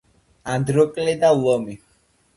ანდროკლე და ლომი